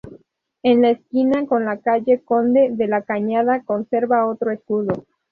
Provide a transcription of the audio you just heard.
En la esquina con la calle Conde de la Cañada conserva otro escudo.